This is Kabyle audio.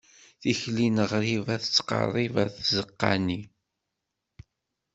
Tikli n ɣriba tettqerrib ɣer tzeqqa-nni.